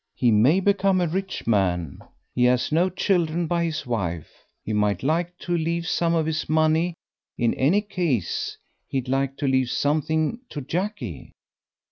He may become a rich man; he has no children by his wife; he might like to leave some of his money in any case, he'd like to leave something to Jackie."